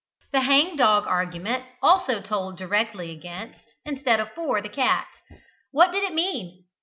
The "hang dog" argument also told directly against, instead of for, the cats. What did it mean?